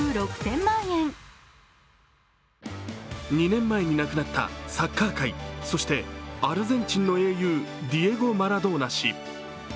２年前に亡くなったサッカー界そしてアルゼンチンの英雄ディエゴ・マラドーナ氏。